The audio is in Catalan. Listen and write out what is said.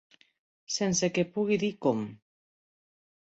Sense que pugui dir com